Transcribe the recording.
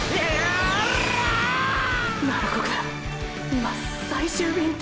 今「最終便」て！！